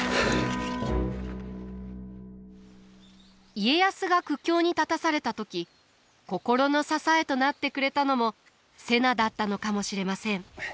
家康が苦境に立たされた時心の支えとなってくれたのも瀬名だったのかもしれません。